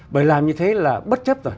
bởi làm như thế là bất chấp